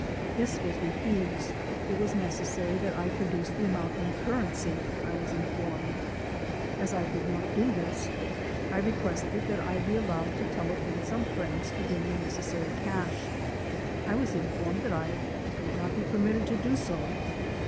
This was refused; it was necessary that I produce the amount in currency, I was informed. As I could not do this I requested that I be allowed to telephone some friends to bring the necessary cash. I was informed that I could not be permitted to do so.